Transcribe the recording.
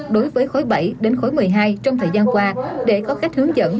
đối với khối bảy đến khối một mươi hai trong thời gian qua để có cách hướng dẫn